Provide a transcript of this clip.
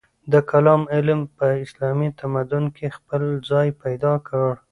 د کلام علم په اسلامي تمدن کې خپل ځای پیدا کړ.